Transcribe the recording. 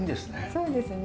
そうですね